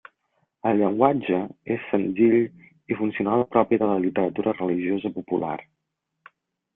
El llenguatge és senzill i funcional propi de la literatura religiosa popular.